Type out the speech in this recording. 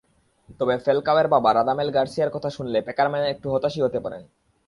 তবে ফ্যালকাওয়ের বাবা রাদামেল গার্সিয়ার কথা শুনলে পেকারম্যান একটু হতাশই হতে পারেন।